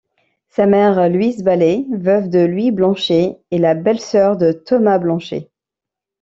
Sa mère, Louise Balley, veuve de Louis Blanchet, est la belle-sœur de Thomas Blanchet.